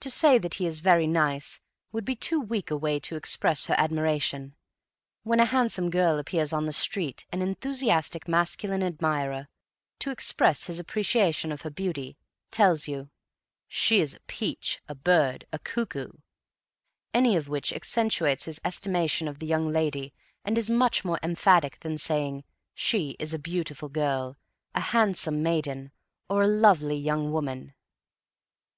To say that he is very nice would be too weak a way to express her admiration. When a handsome girl appears on the street an enthusiastic masculine admirer, to express his appreciation of her beauty, tells you: "She is a peach, a bird, a cuckoo," any of which accentuates his estimation of the young lady and is much more emphatic than saying: "She is a beautiful girl," "a handsome maiden," or "lovely young woman."